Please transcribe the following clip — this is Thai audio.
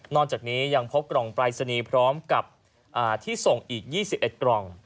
จากนี้ยังพบกล่องปรายศนีย์พร้อมกับที่ส่งอีก๒๑กล่อง